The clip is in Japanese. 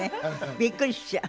びっくりしちゃう。